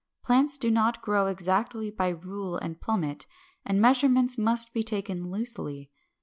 Plants do not grow exactly by rule and plummet, and measurements must be taken loosely.